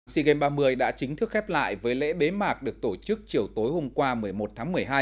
sea games ba mươi đã chính thức khép lại với lễ bế mạc được tổ chức chiều tối hôm qua một mươi một tháng một mươi hai